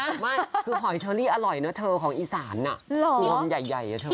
ไม่คือหอยเชอรี่อร่อยนะเธอของอีสานรวมใหญ่อะเธอ